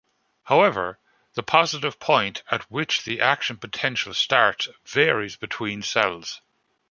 However, the positive point, at which the action potential starts, varies between cells.